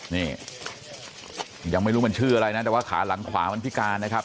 นี่ยังไม่รู้มันชื่ออะไรนะแต่ว่าขาหลังขวามันพิการนะครับ